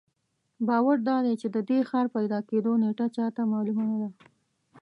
باور دادی چې د دې ښار پیدا کېدو نېټه چا ته معلومه نه ده.